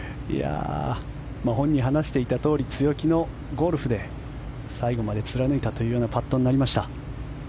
本人、話していたとおり強気のゴルフで最後まで貫いたというようなパットになりました。